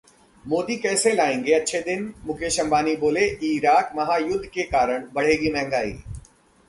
मोदी कैसे लाएंगे अच्छे दिन? मुकेश अंबानी बोले, 'इराक गृहयुद्ध के कारण बढ़ेगी महंगाई'